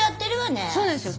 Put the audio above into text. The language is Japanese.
そうですよ。